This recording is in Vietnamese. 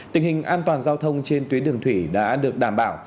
tình hình an toàn giao thông trên tuyến đường thủy đã được đảm bảo